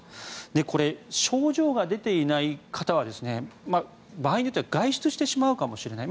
これ、症状が出ていない方は場合によっては外出してしまうかもしれない。